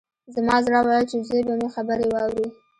زما زړه ويل چې زوی به مې خبرې واوري.